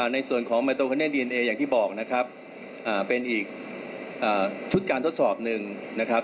ในส่วนของไมโตคาเนดีเอนเออย่างที่บอกนะครับเป็นอีกชุดการทดสอบหนึ่งนะครับ